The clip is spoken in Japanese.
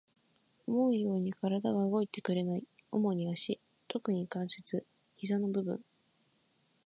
思うように体が動いてくれない。主に足、特に関節、膝の部分。